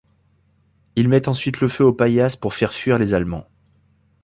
Ils mettent ensuite le feu aux paillasses pour faire fuir les Allemands.